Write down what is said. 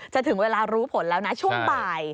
ถึงเวลารู้ผลแล้วนะช่วงบ่าย